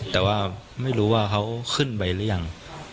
แต่ว่าไม่รู้ว่าเขาขึ้นไปหรือยัง